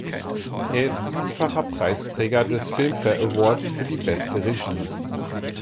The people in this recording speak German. Er ist siebenfacher Preisträger des Filmfare Awards für die Beste Regie.